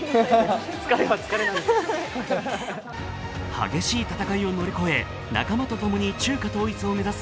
激しい戦いを乗り越え仲間とともに中華統一を目指す